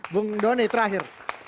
bung doni terakhir